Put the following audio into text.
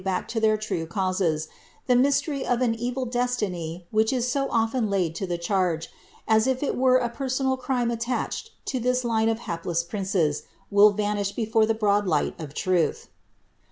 t to iheir irue causes, Ihe mystery of an evil desiiny which is so ofien laid lo the charge, as if it were a personal crime attached to this line of hapless princes, will vanish before the broad light of irulh.